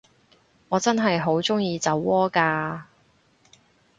我真係好鍾意酒窩㗎